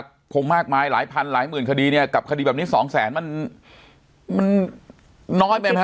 คงมากมายหลายพันหลายหมื่นคดีเนี้ยกับคดีแบบนี้สองแสนมันมัน